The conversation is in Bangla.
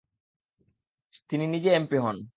তিনি নিজে এমপি হন।